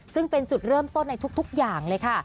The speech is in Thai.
ซึ่งเป็นจุดเริ่มต้นในทุกอย่างเลยค่ะ